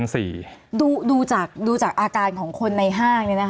มีความรู้สึกว่ามีความรู้สึกว่า